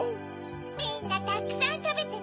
みんなたくさんたべてね！